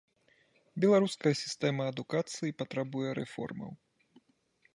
Беларуская сістэма адукацыі патрабуе рэформаў.